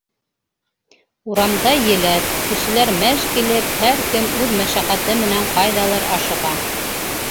Урамда еләҫ, кешеләр мәж килеп, һәр кем үҙ мәшәҡәте менән ҡайҙалыр ашыға.